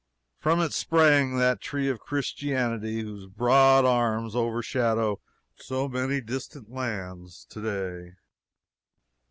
From it sprang that tree of Christianity whose broad arms overshadow so many distant lands to day.